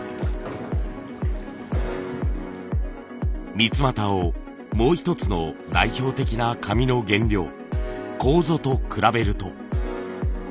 三椏をもう一つの代表的な紙の原料楮と比べると。